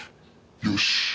「よし。